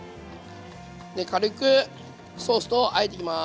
で軽くソースとあえていきます。